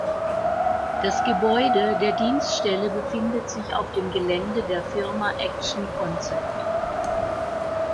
Das Gebäude der Dienststelle befindet sich auf dem Gelände der Firma action concept.